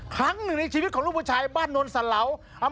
ครั้งหนึ่งในชีวิตของลูกผู้ชายบ้านนนสะเหลา